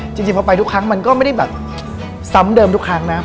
จริงพอไปทุกครั้งก็ไม่ใช่ซ้ำเดิมดูครั้ง